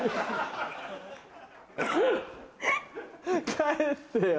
帰ってよ。